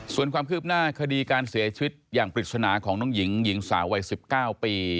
ส่วนความคืบหน้าคดีการเสียชีวิตอย่างปริศนาของน้องหญิงหญิงสาววัย๑๙ปี